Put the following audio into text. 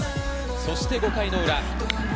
そして５回裏。